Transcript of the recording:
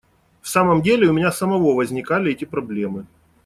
В самом деле, у меня самого возникали эти проблемы.